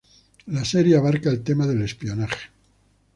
La serie abarca el tema del espionaje.